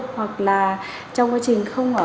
hoặc là trong quá trình không ở